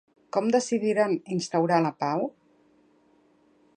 Com decidiren instaurar la pau?